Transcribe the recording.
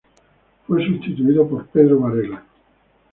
Fue sustituido por Pedro Varela.